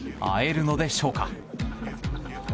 会えるのでしょうか？